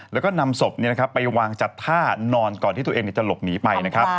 แล้วก็นำศพไปวางจัดท่านอนก่อนที่ตัวเองจะหลบหนีไปนะครับ